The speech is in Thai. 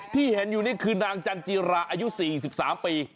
ที่เห็นอยู่นี่คือนางจันจิราอายุ๔๓ปี